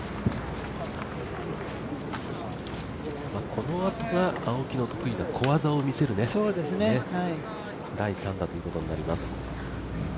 このあとが青木の得意な小技を見せる第３打ということになります。